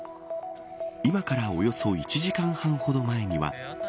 今からおよそ１時間半ほど前には。